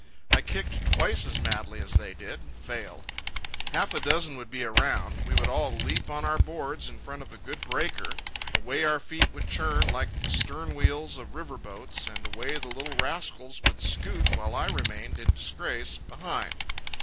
I kicked twice as madly as they did, and failed. Half a dozen would be around. We would all leap on our boards in front of a good breaker. Away our feet would churn like the stern wheels of river steamboats, and away the little rascals would scoot while I remained in disgrace behind.